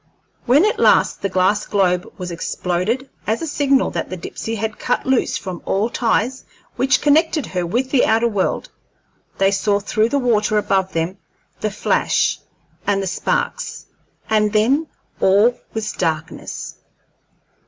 When at last the glass globe was exploded, as a signal that the Dipsey had cut loose from all ties which connected her with the outer world, they saw through the water above them the flash and the sparks, and then all was darkness.